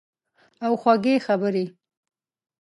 او خوږې خبرې